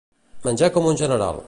Menjar com un general.